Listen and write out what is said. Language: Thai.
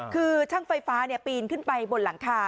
คือช่างไฟฟ้าปีนขึ้นไปบนหลังคา